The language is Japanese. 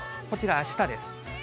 こちら、あしたです。